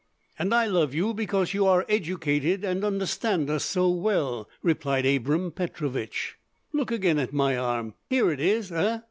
"And I love you, because you are educated, and understand us so well," replied Abram Petrovich. "Look again at my arm; here it is, eh?"